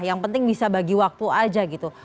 yang penting bisa bagi waktu aja gitu